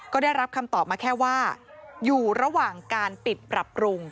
ก็ได้รับคำตอบมาแค่ว่าอยู่ระหว่างการปิดปรับปรุง